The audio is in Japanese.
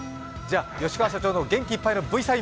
吉川社長の元気いっぱいのＶサイン